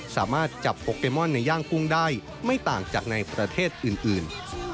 สามารถจับโปเกมอนในย่างกุ้งได้ไม่ต่างจากในประเทศอื่น